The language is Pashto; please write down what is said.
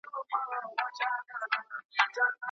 ستا وینا راته پیدا کړه دا پوښتنه